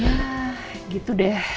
ya gitu deh